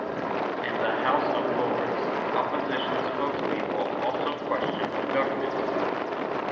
In the House of Lords, opposition spokespeople also question the government.